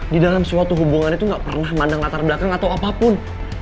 di dalam suatu hubungan itu gak pernah mandang latar belakang atau apapun